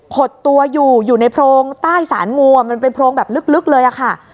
ขดตัวอยู่อยู่ในโพรงใต้สารงูอ่ะมันเป็นโพรงแบบลึกเลยอะค่ะ